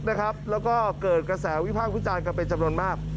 แล้วก็เกิดกระแสวิพากษ์วิจารณ์กันเป็นจำนวนมาก